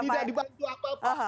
tidak dibantu apa apa